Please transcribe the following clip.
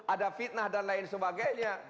ada fitnah dan lain sebagainya